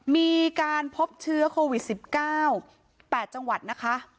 มีการพบเชื้อโควิด๑๙๘จังหวัดนะคะ